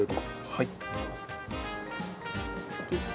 はい。